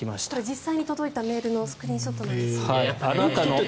実際に届いたメールのスクリーンショットなんです。